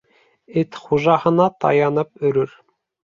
Эт хужаһына таянып өрөр.